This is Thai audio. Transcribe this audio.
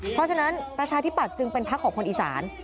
เพราะฉะนั้นประชาธิบัตย์จึงเป็นพักของคนอีสาน